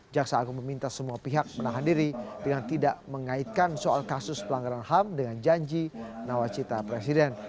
jaksa agung meminta semua pihak menahan diri dengan tidak mengaitkan soal kasus pelanggaran ham dengan janji nawacita presiden